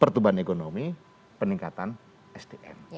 pertumbuhan ekonomi peningkatan sdm